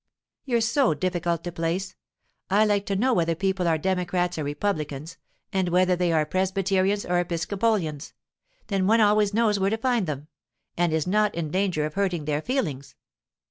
'You're so difficult to place! I like to know whether people are Democrats or Republicans, and whether they are Presbyterians or Episcopalians. Then one always knows where to find them, and is not in danger of hurting their feelings.